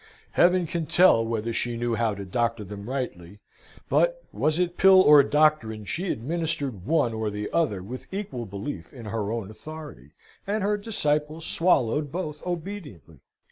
Heaven can tell whether she knew how to doctor them rightly: but, was it pill or doctrine, she administered one or the other with equal belief in her own authority, and her disciples swallowed both obediently.